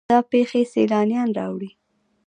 دا پیښې سیلانیان راوړي.